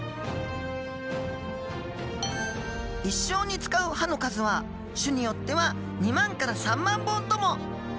一生に使う歯の数は種によっては２万から３万本とも！